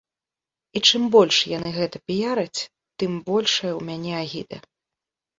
І чым больш яны гэта піяраць, тым большая ў мяне агіда.